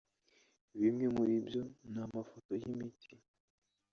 Bimwe muri byo ni amafoto y’imiti